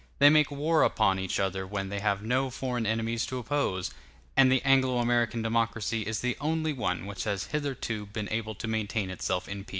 They make war upon each other when they have no foreign enemies to oppose; and the Anglo American democracy is the only one which has hitherto been able to maintain itself in peace.